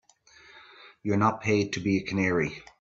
You're not paid to be a canary.